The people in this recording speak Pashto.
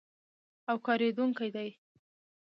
او کارېدونکی دی.